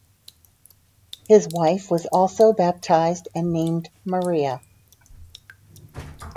His wife was also baptised and named "Maria".